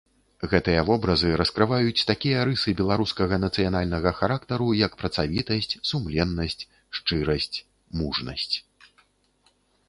Гэтыя вобразы раскрываюць такія рысы беларускага нацыянальнага характару, як працавітасць, сумленнасць, шчырасць, мужнасць.